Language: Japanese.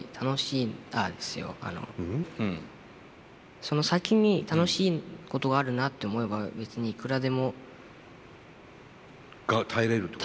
その先に楽しいことがあるなって思えば別にいくらでも。が耐えれるってこと？